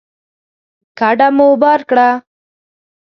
کډه مو بار کړه